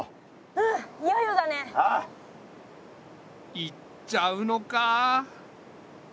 行っちゃうのか。